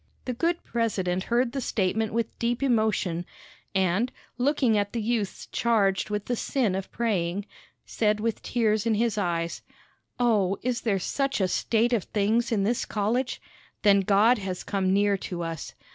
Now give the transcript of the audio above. The good president heard the statement with deep emotion, and, looking at the youths charged with the sin of praying, said, with tears in his eyes, "O, is there such a state of things in this college? Then God has come near to us.